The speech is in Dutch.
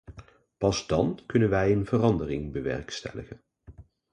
Pas dan kunnen wij een verandering bewerkstelligen.